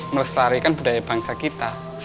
melestarikan budaya bangsa kita